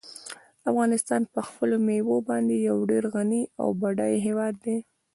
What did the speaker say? افغانستان په خپلو مېوو باندې یو ډېر غني او بډای هېواد دی.